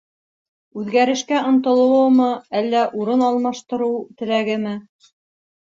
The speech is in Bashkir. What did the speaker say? Үҙгәрешкә ынтылыумы, әллә урын алмаштырыу теләгеме?